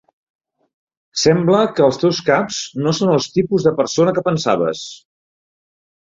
Sembla que els teus caps no són el tipus de persona que pensaves.